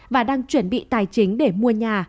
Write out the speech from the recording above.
và đang chuẩn bị tài chính để mua nhà